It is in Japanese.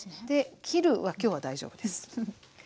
で切るは今日は大丈夫です。